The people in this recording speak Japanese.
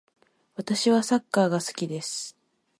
私はサッカーが好きです。